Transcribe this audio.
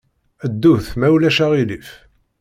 Ddut, ma ulac aɣilif.